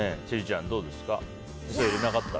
千里ちゃん、どうですか。